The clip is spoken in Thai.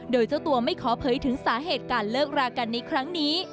โดยเจ้าตัวไม่ขอเผยถึงสาเหตุการเลิกรากันในครั้งนี้